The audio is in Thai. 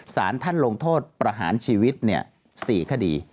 สารท่านลงโทษประหารชีวิต๔คดี